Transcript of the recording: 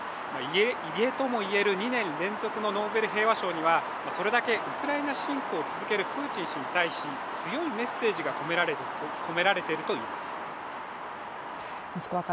異例とも言える２年連続のノーベル平和賞にはそれだけウクライナ侵攻を続けるプーチン氏に対し強いメッセージが込められていると言えます。